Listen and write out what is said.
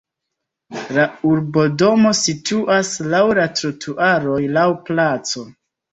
La urbodomo situas laŭ la trotuaroj laŭ placo.